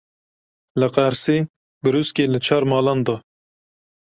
Li Qersê brûskê li çar malan da.